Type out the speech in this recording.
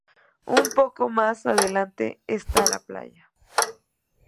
Un poco más adelante está la playa.